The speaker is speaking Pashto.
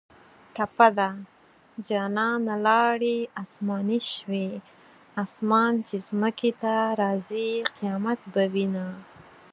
ټپه ده: جانانه لاړې اسماني شوې اسمان چې ځمکې ته راځي قیامت به وینه